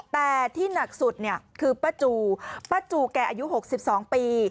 แต่ที่หนักสุดเนี่ยคือป้าจูป้าจูแกอายุ๖๒ปี